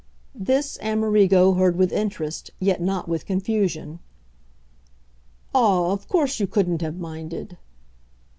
This Amerigo heard with interest, yet not with confusion. "Ah, of course you couldn't have minded!"